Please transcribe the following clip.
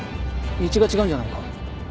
道が違うんじゃないのか？